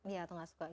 iya atau nggak suka